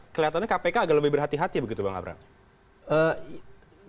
kelihatannya kpk agak lebih berhati hati begitu bang abraham